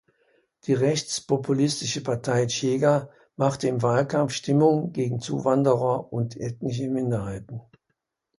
Die rechtspopulistische Partei Chega machte im Wahlkampf Stimmung gegen Zuwanderer und ethnische Minderheiten.